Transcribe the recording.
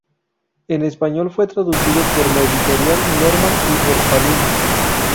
En español fue traducido por la editorial Norma y por Panini.